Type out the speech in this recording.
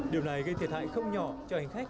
điều này gây thiệt hại không nhỏ cho hành khách